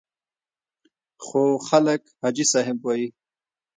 خو خلک حاجي صاحب وایي.